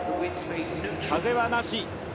風はなし。